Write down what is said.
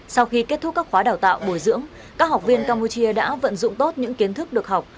sau khi kết thúc các khóa đào tạo bồi dưỡng các học viên campuchia đã vận dụng tốt những kiến thức được học